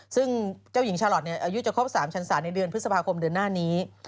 ซึ่งเจ้าหญิงชาลอทอายุจะครบ๓ชันศาในเดือนพฤษภาคมเดือนหน้านี้